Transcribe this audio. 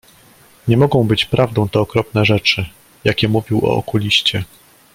"Nie mogą być prawdą te okropne rzeczy, jakie mówił o okuliście."